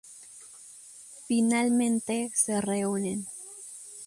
Finalmente se reúnen.